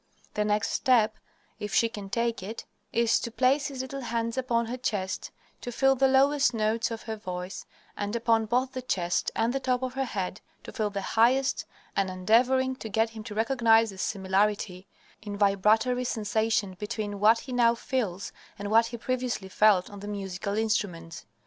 The next step, if she can take it, is to place his little hands upon her chest to feel the lowest notes of her voice, and upon both the chest and the top of her head to feel the highest, and endeavoring to get him to recognize the similarity in vibratory sensation between what he now feels and what he previously felt on the musical instruments.